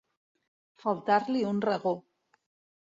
Faltar-li un regó.